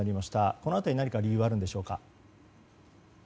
この辺り何か理由はあるんでしょうか。